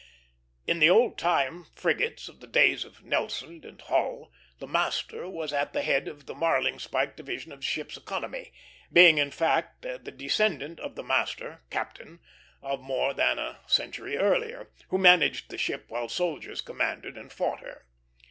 In the old time frigates, of the days of Nelson and Hull, the master was at the head of the marling spike division of the ship's economy, being, in fact, the descendant of the master (captain) of more than a century earlier, who managed the ship while soldiers commanded and fought her.